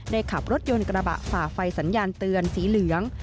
ขับรถยนต์กระบะฝ่าไฟสัญญาณเตือนสีเหลือง